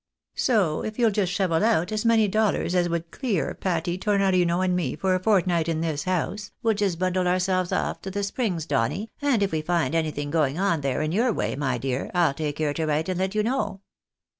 So if you'll just shovel out as many dollars as would clear Patty, Tornorino, and me, for a fortnight in this house, we'll just bundle ourselves off to the Springs, Donny, and if we find anything going on there iu your way, my dear, I'll take care to write and let you know."